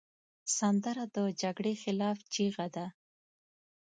سندره د جګړې خلاف چیغه ده